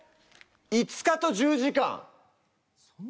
５日と１０時間。